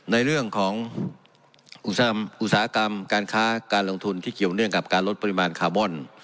ในเรื่องของอุตสาหกรรมการค้าการลงทุนที่เกี่ยวเนื่องกับการลดปริมาณคาร์บอน